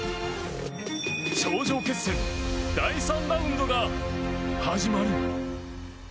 頂上決戦第３ラウンドが始まる。